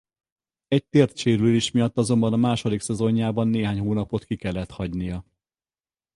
Egy térdsérülés miatt azonban a második szezonjában néhány hónapot ki kellett hagynia.